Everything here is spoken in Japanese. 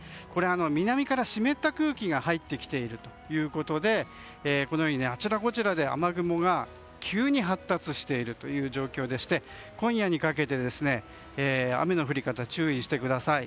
南から湿った空気が入ってきているということであちらこちらで雨雲が急に発達している状況でして、今夜にかけて雨の降り方に注意してください。